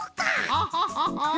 ハハハハ！